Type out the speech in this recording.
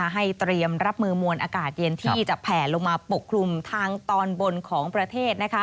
เตรียมรับมือมวลอากาศเย็นที่จะแผ่ลงมาปกคลุมทางตอนบนของประเทศ